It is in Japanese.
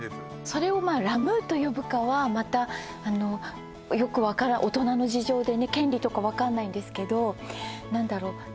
それをラ・ムーと呼ぶかはまたよく分からない大人の事情でね権利とか分かんないんですけど何だろう